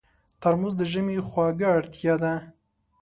ترموز د ژمي خوږه اړتیا ده.